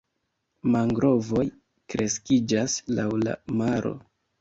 Mangrovoj kreskiĝas laŭ la maro.